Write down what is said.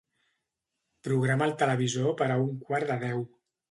Programa el televisor per a un quart de deu.